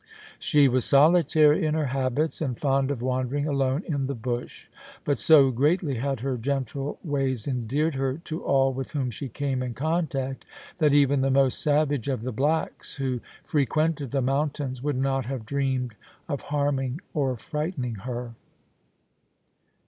She was solitary in her habits, and fond of wandering alone in the bush ; but so greatly had her gentle ways endeared her to all with whom she came in contact, that even the most savage of the blacks who fre quented the mountains would not have dreamed of harming or frightening her.